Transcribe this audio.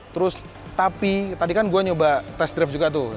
terus tapi tadi kan gua nyoba test drive juga tuh